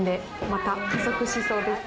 また加速しそうです。